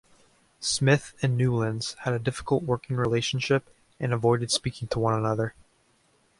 Smith and Newlands had a difficult working relationship and avoided speaking to one another.